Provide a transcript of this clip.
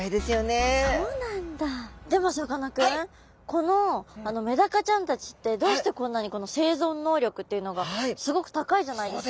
このメダカちゃんたちってどうしてこんなにこの生存能力っていうのがすごく高いじゃないですか？